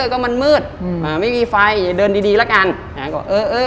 ก็มันมืดอืมอ่าไม่มีไฟอย่าเดินดีดีแล้วกันอ่าก็เออเออ